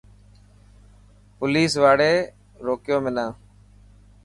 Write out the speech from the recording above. پوليس واڙي رڪيو منا.